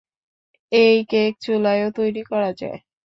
এই কেক চুলায়ও তৈরি করা যায়।